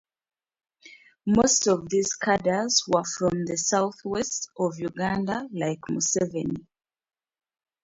Most of these cadres were from the south-west of Uganda like Museveni.